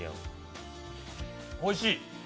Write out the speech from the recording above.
おいしい。